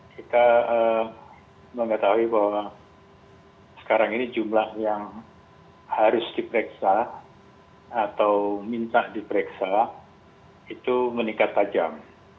kita mengetahui bahwa sekarang ini jumlah yang harus diperiksa atau minta diperiksa itu meningkat tajam